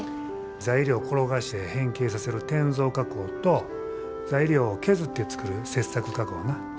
材料を転がして変形させる転造加工と材料を削って作る切削加工な。